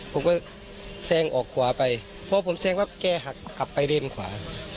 ผมก็แสงออกขวาไปเพราะผมแสงว่าแกหักกลับไปเล่นขวา